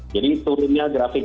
karena berusung di titik